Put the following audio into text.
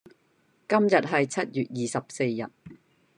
今日係七月二十四號